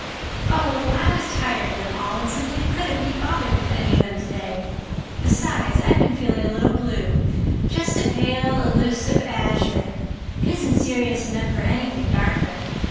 "Oh, I was tired of them all and simply couldn't be bothered with any of them today. Besides, I've been feeling a little blue—just a pale, elusive azure. It isn't serious enough for anything darker.